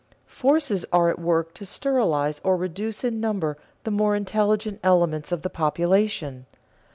Forces are at work to sterilize or reduce in number the more intelligent elements of the population.